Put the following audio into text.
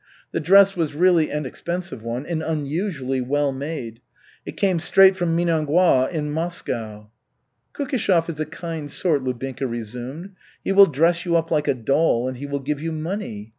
The dress was really an expensive one and unusually well made. It came straight from Minangois in Moscow. "Kukishev is a kind sort," Lubinka resumed. "He will dress you up like a doll, and he will give you money.